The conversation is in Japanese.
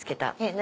何？